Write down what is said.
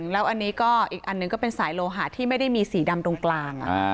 แล้วอันนี้ก็อีกอันหนึ่งก็เป็นสายโลหะที่ไม่ได้มีสีดำตรงกลาง